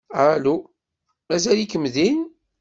Alu? Mazal-ikem din?